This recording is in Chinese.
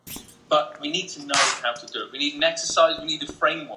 叙利亚的神学奠基者是遵循安提阿传统的塔尔索的狄奥多和摩普绥的狄奥多。